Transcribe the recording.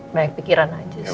banyak pikiran aja sih